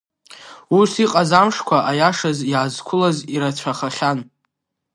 Ус иҟаз амшқәа, аиашаз, иаазқәылаз ирацәахахьан.